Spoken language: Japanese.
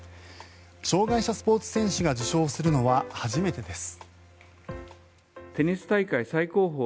障害者スポーツ選手が受賞するのは初めてです。